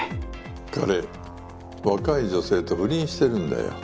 彼若い女性と不倫してるんだよ。